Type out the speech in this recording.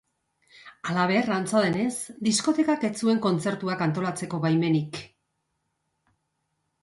Halaber, antza denez, diskotekak ez zuen kontzertuak antolatzeko baimenik.